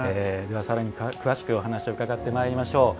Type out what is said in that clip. さらに詳しくお話を伺ってまいりましょう。